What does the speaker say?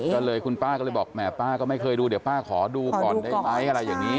ก็เลยคุณป้าก็เลยบอกแหมป้าก็ไม่เคยดูเดี๋ยวป้าขอดูก่อนได้ไหมอะไรอย่างนี้